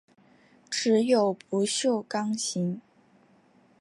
只有不锈钢型。